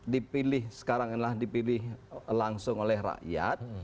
dipilih sekarang adalah dipilih langsung oleh rakyat